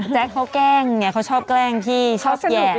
เขาแกล้งเนี่ยเขาชอบแกล้งพี่ชอบแห่